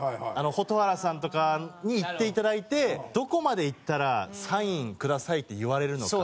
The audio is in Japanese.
蛍原さんとかに行っていただいてどこまでいったら「サインください」って言われるのか。